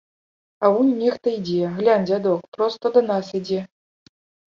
А вунь нехта ідзе, глянь, дзядок, проста да нас ідзе!